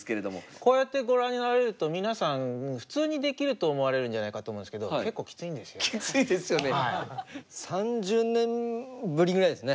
こうやってご覧になられると皆さん普通にできると思われるんじゃないかと思うんですけどきついですよね。